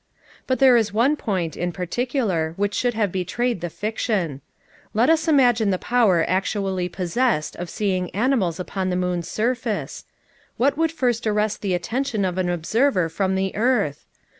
But there is one point, in particular, which should have betrayed the fiction. Let us imagine the power actually possessed of seeing animals upon the moon's surface—what would first arrest the attention of an observer from the earth?